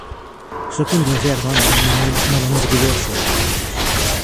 Soc un desert, dona, i me n'enorgulleixo.